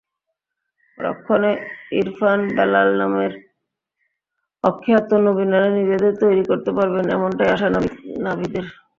রক্ষণে ইরফান-বেলাল নামের অখ্যাত নবীনেরা নিজেদের তৈরি করতে পারবেন, এমনটাই আশা নাভিদের।